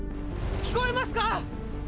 聞こえますか